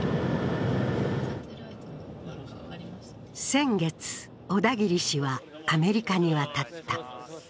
先月、小田切氏はアメリカに渡った。